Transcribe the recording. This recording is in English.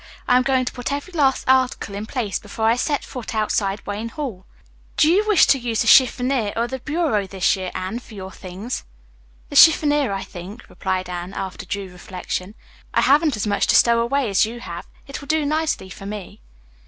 I'm going to put every last article in place before I set foot outside Wayne Hall. Do you wish the chiffonier or the bureau this year, Anne, for your things?" "The chiffonier, I think," replied Anne, after due reflection. "I haven't as much to stow away as you have. It will do nicely for me."